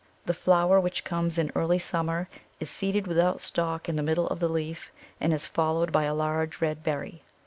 The flower, which comes in early summer, is seated without stalk in the middle of the leaf, and is followed by a large red berry.